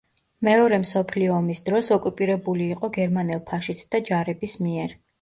მეორე მსოფლიო ომის დროს ოკუპირებული იყო გერმანელ ფაშისტთა ჯარების მიერ.